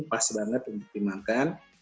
pas banget untuk dimakan